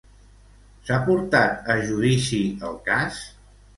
S'ha portat a judici el cas?